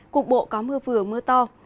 cục bộ có mưa vừa mưa to